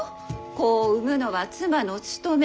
子を産むのは妻の務め。